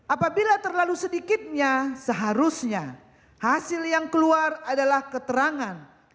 apabila terlalu sedikitnya seharusnya hasil yang keluar adalah keterangan